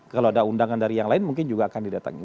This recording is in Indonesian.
kalau ada undangan dari yang lain mungkin juga akan didatangi